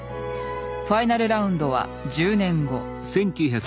ファイナルラウンドは１０年後。